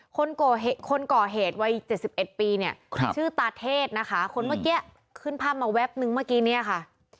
คนก่อเหตุวัย๗๑ปีเนี่ยชื่อตาเทศนะคะคนเมื่อกี้ขึ้นภาพมาแวบนึงเมื่อกี้เนี่ยค่ะ